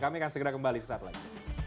kami akan segera kembali sesaat lagi